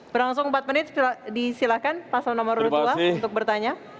berlangsung empat menit disilakan pasang nomor dua untuk bertanya